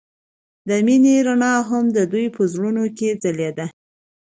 د مینه رڼا هم د دوی په زړونو کې ځلېده.